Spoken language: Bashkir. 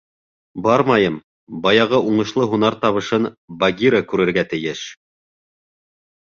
— Бармайым, баяғы уңышлы һунар табышын Багира күрергә тейеш.